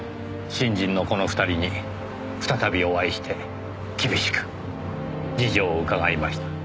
新人のこの２人に再びお会いして厳しく事情を伺いました。